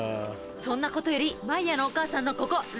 そんなことよりマイアのお母さんのここ。